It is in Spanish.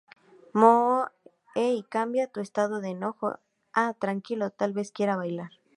Mo.-Hey cambia tu estado de enojo a tranquilo tal vez quiera bailar.